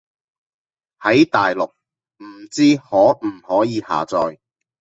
喺大陸唔知可唔可以下載